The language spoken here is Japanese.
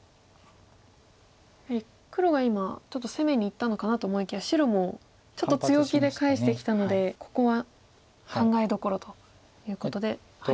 黒が今ちょっと攻めにいったのかなと思いきや白もちょっと強気で返してきたのでここは考えどころということで。